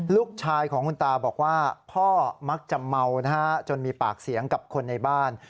ลูกชายของคุณตาบอกว่าพ่อมักจะเมานะฮะจนมีปากเสียงกับคนในบ้าน